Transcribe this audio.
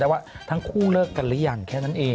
ว่าทั้งคู่เลิกกันหรือยังแค่นั้นเอง